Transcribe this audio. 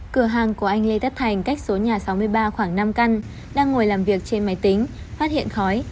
cửa hàng của anh lê tất thành cách số nhà sáu mươi ba khoảng năm căn đang ngồi làm việc trên máy tính phát hiện khói